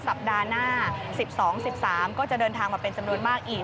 สัปดาห์หน้า๑๒๑๓ก็จะเดินทางมาเป็นจำนวนมากอีก